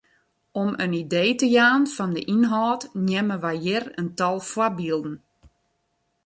Om in idee te jaan fan de ynhâld neame wy hjir in tal foarbylden.